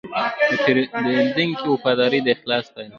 د پیرودونکي وفاداري د اخلاص پایله ده.